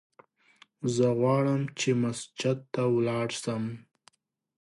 زه غواړم چې مسجد ته ولاړ سم!